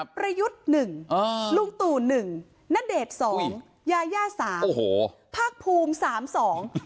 ประยุทธ์หนึ่งอ่าลุงตู่หนึ่งณเดชน์สองยาย่าสามโอ้โหภาคภูมิสามสอง